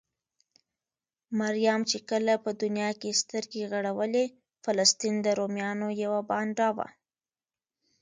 مريم چې کله په دونيا کې سترګې غړولې؛ فلسطين د روميانو يوه بانډه وه.